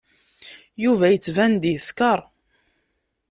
Yuba yettban-d yeskeṛ.